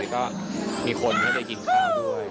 ก็มีคนให้ได้กินข้าวด้วย